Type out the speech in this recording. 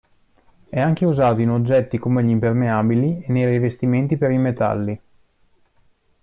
È anche usato in oggetti come gli impermeabili e nei rivestimenti per i metalli.